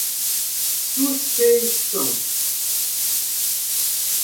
suspeição